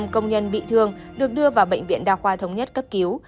năm công nhân bị thương được đưa vào bệnh viện đa khoa thống nhất cấp cứu